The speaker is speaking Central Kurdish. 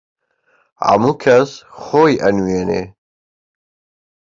هەموو کەس خۆی ئەنوێنێ